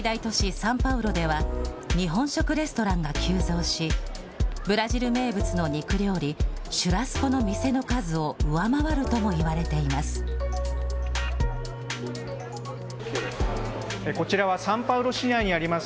サンパウロでは、日本食レストランが急増し、ブラジル名物の肉料理、シュラスコの店の数を上回るともいわれています。